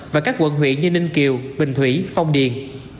và các quận huyện như ninh kiều bình thủy phong điền